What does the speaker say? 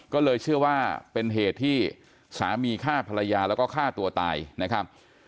ก็เลยเชื่อว่าเป็นเหตุที่สามีฆ่าภรรยาแล้วก็ฆ่าตัวตายนะครับ